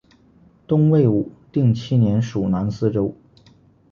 东魏武定七年属南司州。